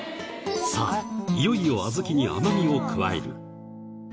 さあ、いよいよ小豆に甘みを加える。